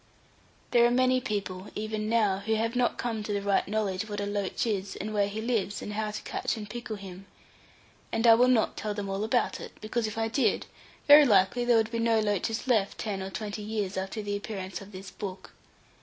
There are many people, even now, who have not come to the right knowledge what a loach is, and where he lives, and how to catch and pickle him. And I will not tell them all about it, because if I did, very likely there would be no loaches left ten or twenty years after the appearance of this book.